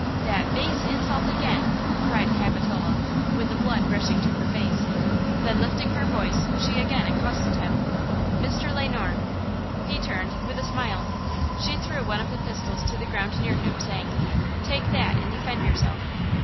"That base insult again!" cried Capitola, with he blood rushing to her face. Then lifting her voice, she again accosted him: "Mr. Le Noir!" He turned, with a smile. She threw one of the pistols to the ground near him, saying: "Take that and defend yourself."